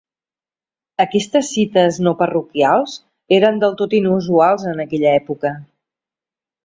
Aquestes cites no parroquials eren del tot inusuals en aquella època.